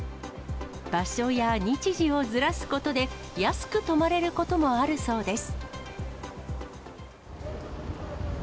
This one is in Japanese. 場所や日時をずらすことで、安く泊まれることもあるそうです。